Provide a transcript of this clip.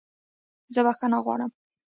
زه بخښنه غواړم